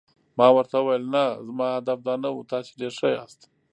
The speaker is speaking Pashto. ما ورته وویل: نه، زما هدف دا نه و، تاسي ډېر ښه یاست.